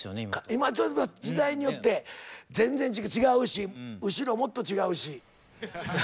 今ちょっと時代によって全然違うし後ろもっと違うし。